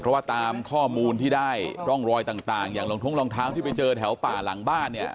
เพราะว่าตามข้อมูลที่ได้ร่องรอยต่างอย่างรองท้องรองเท้าที่ไปเจอแถวป่าหลังบ้านเนี่ย